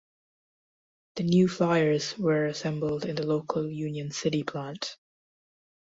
The New Flyers were assembled in the local Union City plant.